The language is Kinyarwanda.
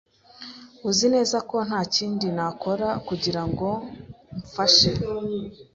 Uzi neza ko ntakindi nakora kugirango mfashe?